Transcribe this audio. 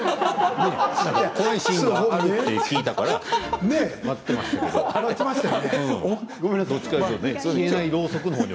怖いシーンがあると聞いていたから持っていたのに。